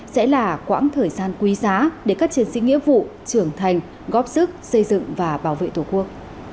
sẽ là quãng thời gian quý giá để các chiến sĩ nghĩa vụ trưởng thành góp sức xây dựng và bảo vệ tổ quốc